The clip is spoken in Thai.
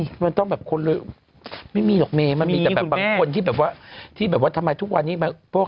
คือบางคนก็ไม่ได้เป็นฮัยโซหรอกแปลธรรมดานแหละ